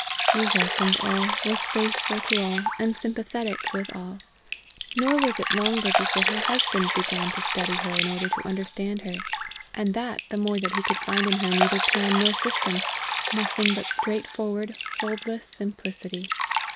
She welcomed all, was faithful to all, and sympathetic with all. Nor was it longer before her husband began to study her in order to understand her and that the more that he could find in her neither plan nor system, nothing but straightforward, foldless simplicity.